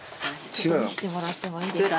見せてもらってもいいですか？